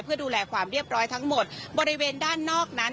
เพื่อดูแลความเรียบร้อยทั้งหมดบริเวณด้านนอกนั้น